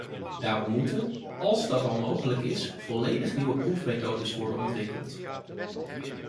Daarom moeten, als dat al mogelijk is, volledig nieuwe proefmethodes worden ontwikkeld.